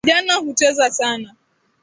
Vijana hucheza sana